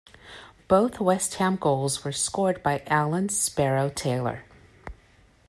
Both West Ham goals were scored by Alan 'Sparrow' Taylor.